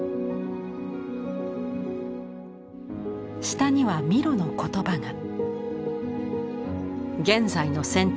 下にはミロの言葉が。